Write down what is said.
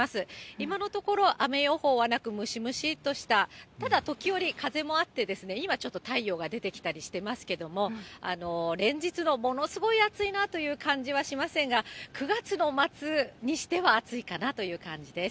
今のところ雨予報はなく、ムシムシっとした、ただ、時折、風もあってですね、今、ちょっと太陽が出てきたりしていますけれども、連日のものすごい暑いなという感じはしませんが、９月の末にしては暑いかなという感じです。